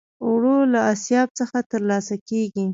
اوړه له آسیاب څخه ترلاسه کېږي